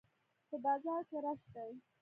په بازار کښي رش دئ.